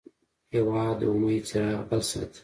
هېواد د امید څراغ بل ساتي.